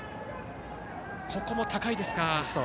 ここも高いですか。